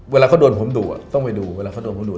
เวลาเขาโดนผมดูต้องไปดูเวลาเขาโดนผมดู